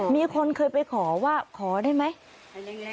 มีคนเคยเพื่อขอ